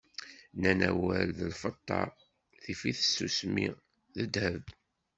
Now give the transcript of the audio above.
Nnan awal d lfeṭṭa, tif-it tsusmi, d ddheb.